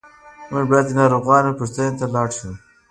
موږ باید د ناروغانو پوښتنې ته لاړ شو.